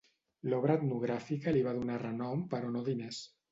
L'obra etnogràfica li va donar renom però no diners.